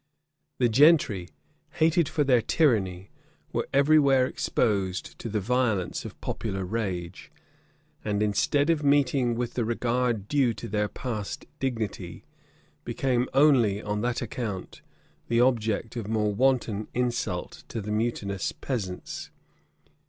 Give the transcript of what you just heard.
The gentry, hated for their tyranny, were every where exposed to the violence of popular rage; and instead of meeting with the regard due to their past dignity, became only, on that account, the object of more wanton insult to the mutinous peasants.